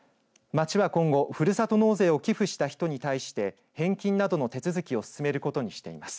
町は今後、ふるさと納税を寄付した人に対して返金などの手続きを進めることにしています。